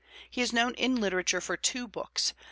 He is known in literature for two books.